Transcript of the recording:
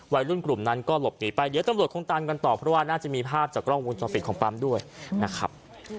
วัยรุ่นกลุ่มนั้นก็หลบหนีไปเดี๋ยวตำรวจคงตามกันต่อเพราะว่าน่าจะมีภาพจากกล้องวงจรปิดของปั๊มด้วยนะครับ